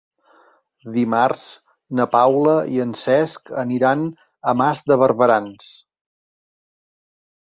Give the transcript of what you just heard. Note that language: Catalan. Dimarts na Paula i en Cesc aniran a Mas de Barberans.